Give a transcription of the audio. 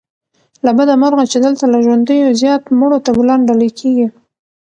له بده مرغه چې دلته له ژوندیو زيات مړو ته ګلان ډالې کېږي